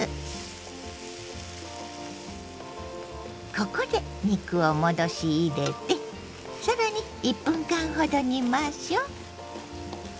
ここで肉を戻し入れて更に１分間ほど煮ましょう。